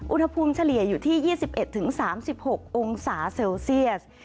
อุณหภูมิเฉลี่ยอยู่ที่๒๑๓๖องศาเซลเซียส